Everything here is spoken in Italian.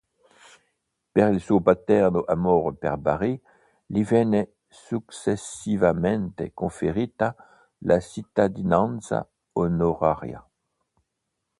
Per il suo paterno amore per Bari gli venne successivamente conferita la cittadinanza onoraria.